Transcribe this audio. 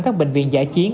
các bệnh viện giải chiến